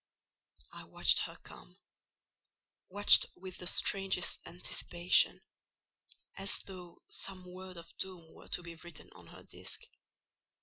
I watched her come—watched with the strangest anticipation; as though some word of doom were to be written on her disk.